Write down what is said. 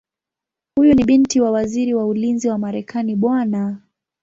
Huyu ni binti wa Waziri wa Ulinzi wa Marekani Bw.